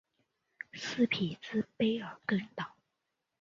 斯匹兹卑尔根岛。